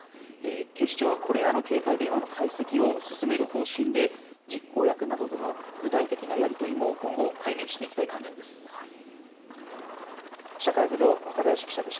警視庁はこれらの携帯電話の解析を進める方針で実行役などとの具体的なやり取りも今後解明していきたい考えです。